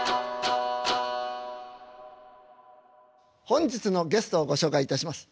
本日のゲストをご紹介いたします。